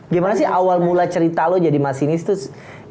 gimana sih awal mula cerita lo jadi masinis tuh